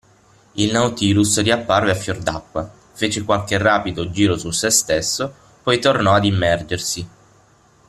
Il Nautilus riapparve a fior d'acqua, fece qualche rapido giro su sé stesso, poi tornò ad immergersi.